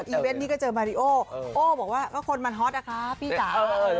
เว่นนี้ก็เจอมาริโอโอ้บอกว่าก็คนมันฮอตนะคะพี่จ๋า